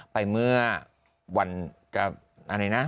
ไปเมื่อวันอะไรนะ